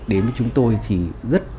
đến với chúng tôi thì rất